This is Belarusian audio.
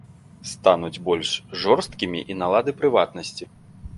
Стануць больш жорсткімі і налады прыватнасці.